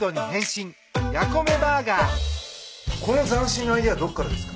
この斬新なアイデアどこからですか？